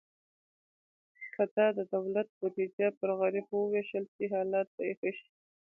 که د دولت بودیجه پر غریبو ووېشل شي، حالت به ښه شي.